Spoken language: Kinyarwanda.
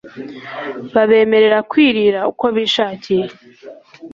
Babemerera kwirira uko bishakiye